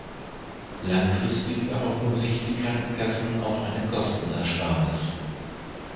Langfristig erhoffen sich die Krankenkassen auch eine Kostenersparnis.